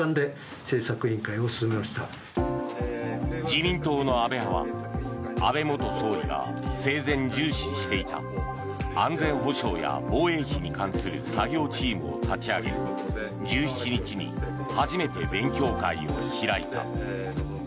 自民党の安倍派は安倍元総理が生前重視していた安全保障や防衛費に関する作業チームを立ち上げ１７日に初めて勉強会を開いた。